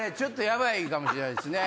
ヤバいかもしれないですね。